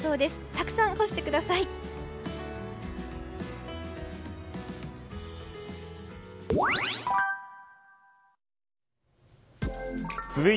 たくさん干してください。